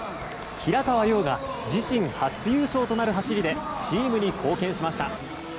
平川亮が自身初優勝となる走りでチームに貢献しました。